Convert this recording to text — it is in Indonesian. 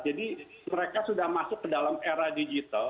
mereka sudah masuk ke dalam era digital